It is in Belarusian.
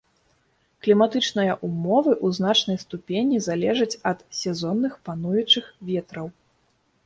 Кліматычныя ўмовы ў значнай ступені залежаць ад сезонных пануючых ветраў.